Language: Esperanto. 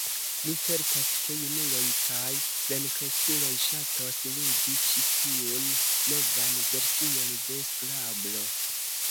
Ni certas, ke junuloj kaj plenkreskuloj ŝatos ludi ĉi tiun novan version de Skrablo.